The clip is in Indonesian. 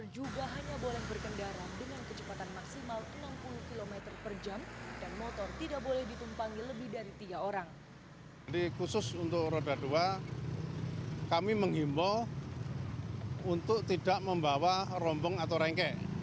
jadi khusus untuk roda dua kami menghimbau untuk tidak membawa rombong atau renke